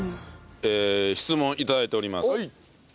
えー質問頂いております。